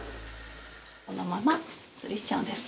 このままつるしちゃうんです。